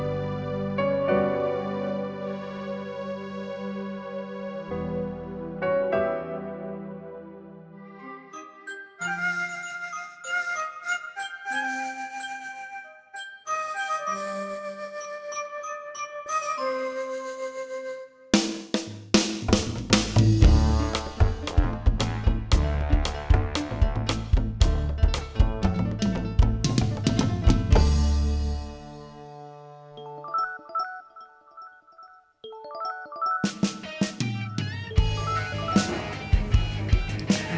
jangan sampai aja